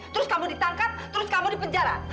terus kamu ditangkap terus kamu di penjara